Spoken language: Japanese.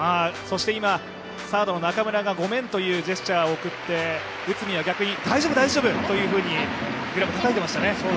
今、サードの中村が、ごめんというジェスチャーを送って、内海は逆に、大丈夫、大丈夫というふうにグラブをたたいてましたね。